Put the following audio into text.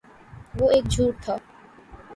وہ ایک جھوٹ تھا